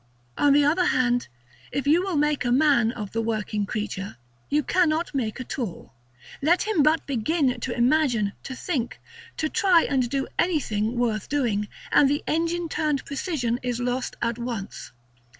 On the other hand, if you will make a man of the working creature, you cannot make a tool. Let him but begin to imagine, to think, to try to do anything worth doing; and the engine turned precision is lost at once.